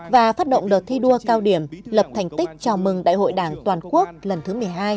và phát động đợt thi đua cao điểm lập thành tích chào mừng đại hội đảng toàn quốc lần thứ một mươi hai